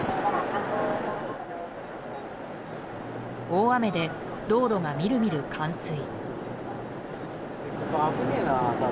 大雨で道路がみるみる冠水。